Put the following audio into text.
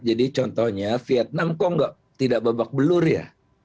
jadi contohnya vietnam kok tidak babak belur ya